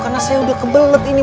karena saya udah kebelet ini